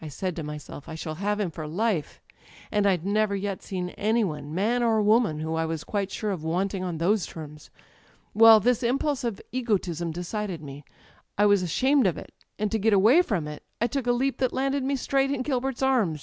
I said to myself: *I shall have him for life' â€" ^and I'd never yet seen any one, man or woman, whom I was quite sure of wanting on those terms. Well, this impulse of egotism decided me. I was ashamed of it, and to get away from it I took a leap that landed me straight in Gilbert's arms.